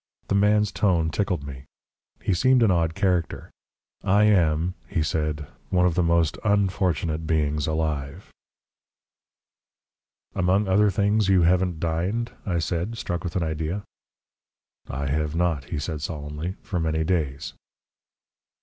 The man's tone tickled me. He seemed an odd character. "I am," he said, "one of the most unfortunate beings alive." "Among other things, you haven't dined?" I said, struck with an idea. "I have not," he said solemnly, "for many days."